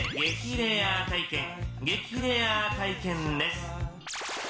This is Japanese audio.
レア体験激レア体験です。